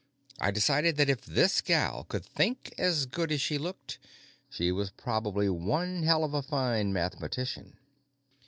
I decided that if this gal could think as good as she looked, she was probably one hell of a fine mathematician.